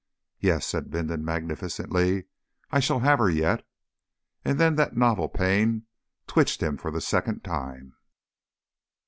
"Yes," said Bindon, magnificently, "I shall have her yet." And then that novel pain twitched him for the second time.